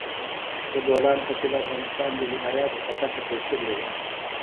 د بولان پټي د افغانستان د ولایاتو په کچه توپیر لري.